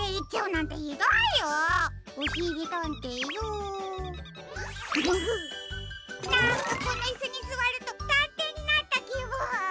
なんかこのイスにすわるとたんていになったきぶん。